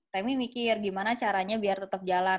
temi mikir gimana caranya biar tetap jalan